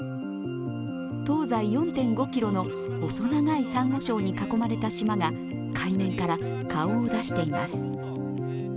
東西４．５ｋｍの細長いさんご礁に囲まれた島が海面から顔を出しています。